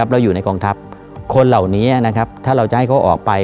เราอยู่ในกองทัพคนเหล่านี้ถ้าเราจะให้เขาออกไป